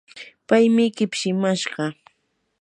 paymi kipshimashqa.